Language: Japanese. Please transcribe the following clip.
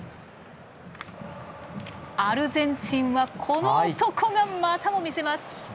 アルゼンチンはこの男が、またも見せます！